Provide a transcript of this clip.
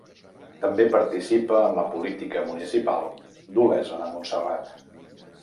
També participa en la política municipal d'Olesa de Montserrat.